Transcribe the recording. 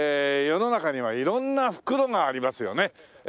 世の中には色んな袋がありますよね。